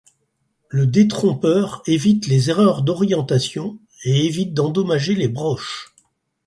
Le détrompeur évite les erreurs d'orientation et évite d'endommager les broches.